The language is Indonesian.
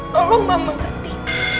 tolong ma mengerti